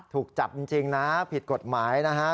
ถูกจับจริงนะผิดกฎหมายนะฮะ